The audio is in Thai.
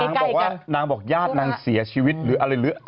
นางบอกว่านางบอกญาตินางเสียชีวิตหรืออะไรหรือ